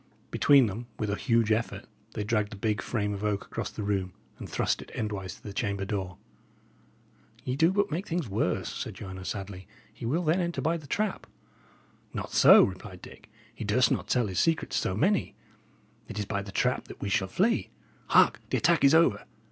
Between them, with a huge effort, they dragged the big frame of oak across the room, and thrust it endwise to the chamber door. "Ye do but make things worse," said Joanna, sadly. "He will then enter by the trap." "Not so," replied Dick. "He durst not tell his secret to so many. It is by the trap that we shall flee. Hark! The attack is over.